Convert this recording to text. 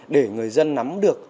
để người dân nắm được